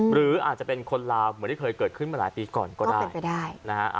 หรืออาจจะเป็นคนลาเหมือนที่เคยเกิดขึ้นมาหลายปีก่อนก็ได้